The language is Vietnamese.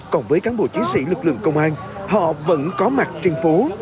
còn với cán bộ chiến sĩ lực lượng công an họ vẫn có mặt trên phố